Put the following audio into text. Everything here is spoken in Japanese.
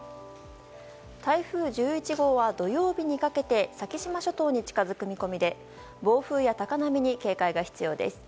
台風１１号は土曜日にかけて先島諸島に近づく見込みで暴風や高波に警戒が必要です。